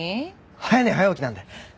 早寝早起きなんで。